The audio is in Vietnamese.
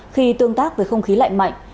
khi tương tác với không khí lạnh mạnh